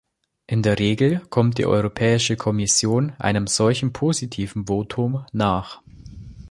In der Regel kommt die Europäische Kommission einem solchen positiven Votum nach.